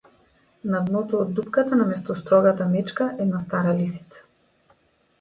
На дното од дупката, наместо строгата мечка - една стара лисица.